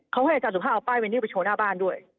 เขาให้อาจารย์สุภาพเอาป้ายไวนิวไปโชว์หน้าบ้านด้วย